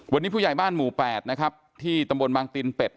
วันนี้ผู้ใหญ่บ้านหมู่๘นะครับที่ตำบลบางตินเป็ด